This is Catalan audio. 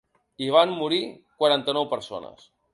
Hi van morir quaranta-nou persones.